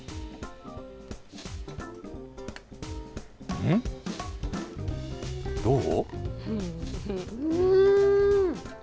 うん？どう？